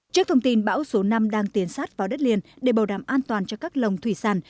trước thông tin bão số năm đang tiến sát vào đất liền để bảo đảm an toàn cho các lồng thủy sản